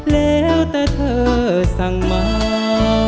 แล้วแต่เธอสั่งมา